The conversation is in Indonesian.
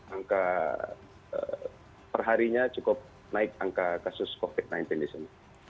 angka perharinya cukup naik angka kasus covid sembilan belas di sini